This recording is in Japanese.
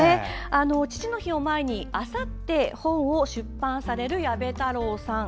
父の日を前に、あさって本を出版される矢部太郎さん。